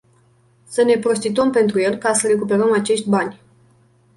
Să ne prostituăm pentru el, ca să recuperăm acești bani.